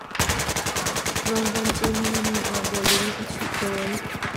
VanVan cu ninga ni ah bawlung a chuih tawn.